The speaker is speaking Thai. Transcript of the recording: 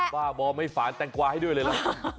เบาไม่ฝาแตงกุให้ด้วยเลยรึ